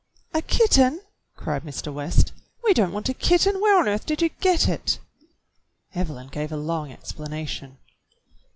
"A kitten!" cried Mr. West. "We don't want a kitten. Where on earth did you get it.^^" Evelyn gave a long explanation.